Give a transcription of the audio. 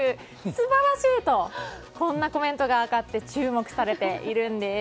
素晴らしい！とこんなコメントが上がって注目されているんです。